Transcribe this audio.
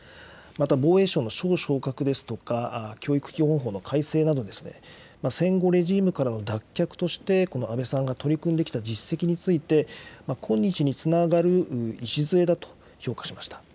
また防衛省の省昇格ですとか、教育基本法の改正など、戦後レジームからの脱却として、この安倍さんが取り組んできた実績について、今日につながる礎だと評価しました。